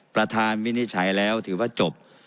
ประธานวินิจฉัยแล้วถือว่าจบ